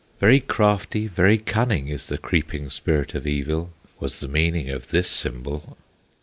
Very crafty, very cunning, Is the creeping Spirit of Evil, Was the meaning of this symbol.